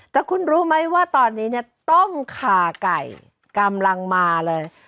แต่คุณรู้ไหมว่าตอนนี้เนี่ยต้มขาไก่กำลังมาเลย